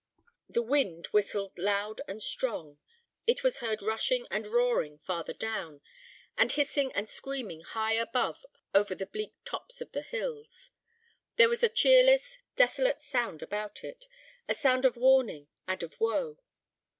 The wind whistled loud and strong; it was heard rushing and roaring farther down, and hissing and screaming high above over the bleak tops of the hills. There was a cheerless, desolate sound about it: a sound of warning and of woe.